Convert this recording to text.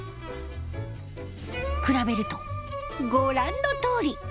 比べるとご覧のとおり。